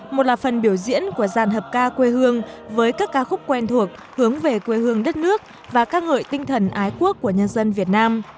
một là phần biểu diễn của gian hợp ca quê hương với các ca khúc quen thuộc hướng về quê hương đất nước và ca ngợi tinh thần ái quốc của nhân dân việt nam